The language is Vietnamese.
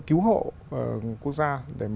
cứu hộ quốc gia để